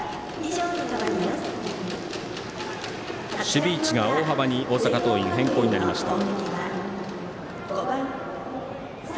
守備位置が大幅に大阪桐蔭、変更になりました。